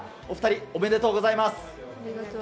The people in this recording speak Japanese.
おめでとうございます。